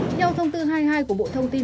theo thông tư hai mươi hai của bộ thông tin